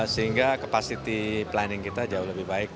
sehingga capacity planning kita jauh lebih baik